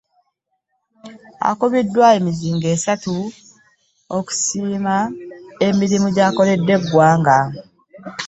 Akubiddwa emizinga esatu okusiima emirimu gy'akoledde eggwanga.